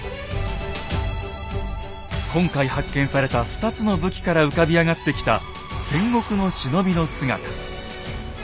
今回発見された２つの武器から浮かび上がってきた戦国の忍びの姿。